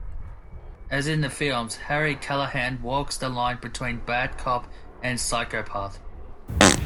As in the films, Harry Callahan walks the line between bad cop and psychopath.